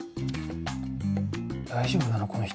大丈夫なの？